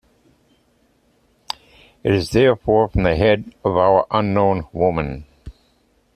It is therefore from the head of our unknown woman.